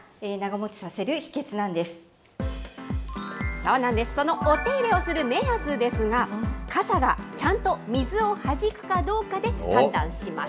そうなんです、そのお手入れをする目安ですが、傘がちゃんと水をはじくかどうかで判断します。